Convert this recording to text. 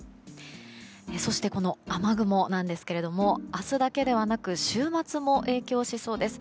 そして、この雨雲なんですが明日だけではなく週末も影響しそうです。